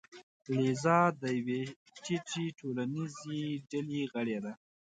الیزا د یوې ټیټې ټولنیزې ډلې غړې ده.